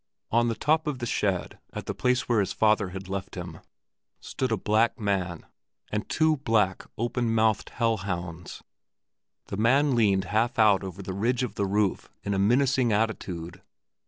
On the top of the shed at the place where his father had left him stood a black man and two black, open mouthed hell hounds; the man leaned half out over the ridge of the roof in a menacing attitude.